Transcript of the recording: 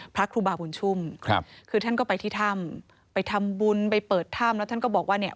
พระครูบาบุญชุ่มครับคือท่านก็ไปที่ถ้ำไปทำบุญไปเปิดถ้ำแล้วท่านก็บอกว่าเนี่ย